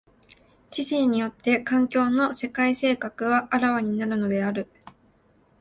知性によって環境の世界性格は顕わになるのである。